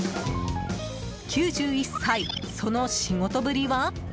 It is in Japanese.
９１歳、その仕事ぶりは。